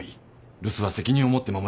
留守は責任を持って守ります。